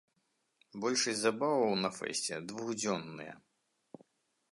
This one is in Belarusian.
Большасць забаваў на фэсце двухдзённыя.